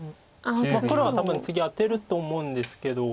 黒は多分次アテると思うんですけど。